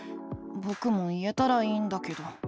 ぼくも言えたらいいんだけど。